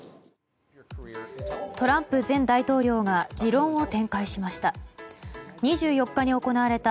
トランプ前大統領が持論を展開しました。